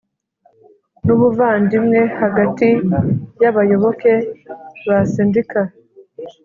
n ubuvandimwe hagati y abayoboke ba sendika